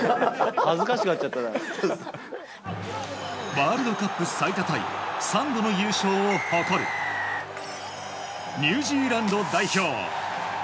ワールドカップ最多タイ３度の優勝を誇るニュージーランド代表。